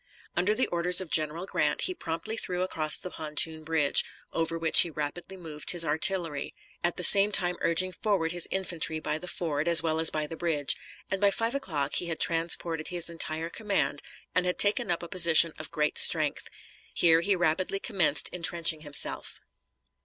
Under the orders of General Grant, he promptly threw across the pontoon bridge, over which he rapidly moved his artillery, at the same time urging forward his infantry by the ford as well as by the bridge; and by five o'clock he had transported his entire command, and had taken up a position of great strength. Here he rapidly commenced intrenching himself.